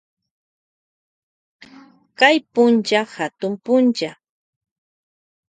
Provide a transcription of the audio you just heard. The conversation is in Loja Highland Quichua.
Kay punlla katun pulla.